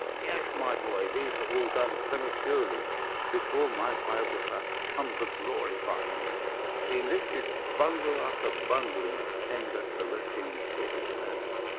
"Yes, my boy, these were all done prematurely before my biographer had come to glorify me." He lifted bundle after bundle in a tender, caressing sort of way.